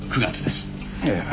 ええ。